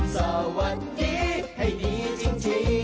สวัสดีให้ดีจริง